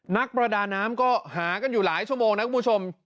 นักประดาน้ำก็หากันอยู่หลายชั่วโมงนะคุณผู้ชม